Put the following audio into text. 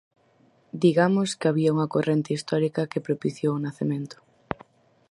Digamos que había unha corrente histórica que propiciou o nacemento.